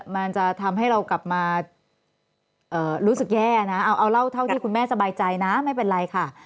มันจะทำให้เรากลับมารู้สึกแย่นะเอาเล่าเท่าที่คุณแม่สบายใจนะไม่เป็นไรค่ะ